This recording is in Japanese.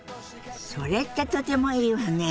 それってとてもいいわね！